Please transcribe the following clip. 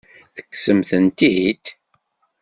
Tekksemt-tent-id?